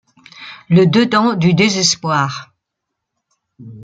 Le dedans du désespoir